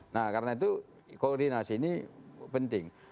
nah karena itu koordinasi ini penting